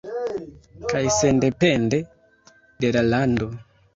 Kaj sendepende de la lando.